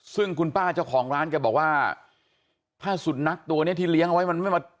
ซึ่งคุณป้าเจ้าของร้านแกบอกว่าถ้าสุดนักตัวเนี้ยที่เลี้ยงเอาไว้มันไม่มา